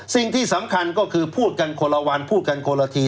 สิ่งที่สำคัญก็คือพูดกันคนละวันพูดกันคนละที